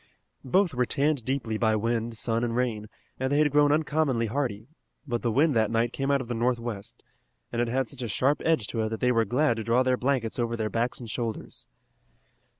Both were tanned deeply by wind, sun and rain, and they had grown uncommonly hardy, but the wind that night came out of the northwest, and it had such a sharp edge to it that they were glad to draw their blankets over their backs and shoulders.